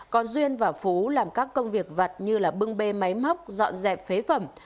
còn duyên và phú làm các công việc vặt như bưng bê máy móc dọn dẹp phế phẩm